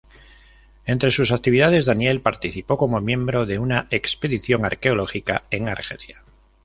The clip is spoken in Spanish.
Entre sus actividades, Daniel participó como miembro de una expedición arqueológica en Argelia.